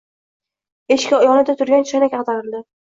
Eshik yonida turgan choynak agʼdarildi.